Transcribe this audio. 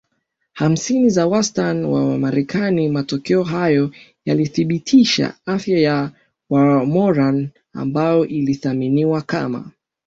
hamsini za wastani wa Wamarekani Matokeo hayo yalithibitisha afya ya Wamoran ambayo ilitathminiwa kama